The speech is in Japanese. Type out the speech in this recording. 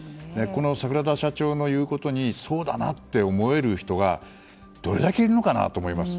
桂田社長の言うことにそうだなと思える人がどれだけいるのかなと思います。